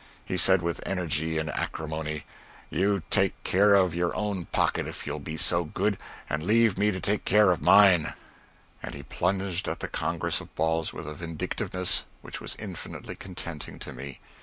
He said, with energy and acrimony: "You take care of your own pocket, if you'll be so good, and leave me to take care of mine." And he plunged at the congress of balls with a vindictiveness which was infinitely contenting to me.